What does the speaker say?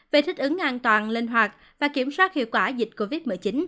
về thích ứng an toàn linh hoạt và kiểm soát hiệu quả dịch covid một mươi chín